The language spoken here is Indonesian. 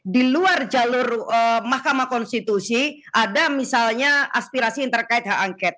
di luar jalur mahkamah konstitusi ada misalnya aspirasi yang terkait hak angket